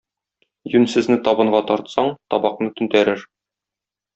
Юньсезне табынга тартсаң, табакны түнтәрер.